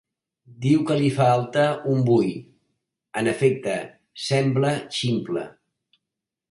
Diu que li falta un bull; en efecte, sembla ximple!